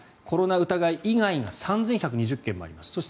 コロナ疑い以外が３１２０件もあります。